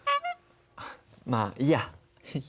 まあいいや。